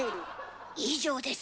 以上です。